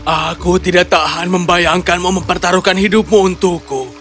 aku tidak tahan membayangkanmu mempertaruhkan hidupmu untukku